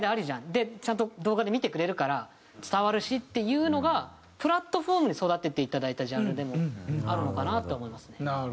でちゃんと動画で見てくれるから伝わるしっていうのがプラットフォームに育てていただいたジャンルでもあるのかなって思いますね。